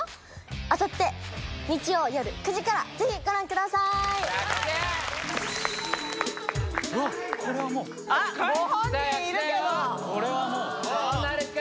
あさって日曜よる９時からぜひご覧ください・あっこれはもうあっご本人いるけど・これはもうどうなるか？